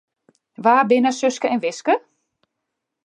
Wa binne Suske en Wiske?